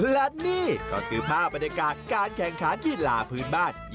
และนี่ก็คือภาพบรรยากาศการแข่งขันกีฬาพื้นบ้าน